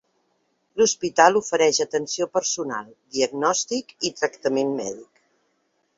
L'hospital ofereix atenció personal, diagnòstic i tractament mèdic.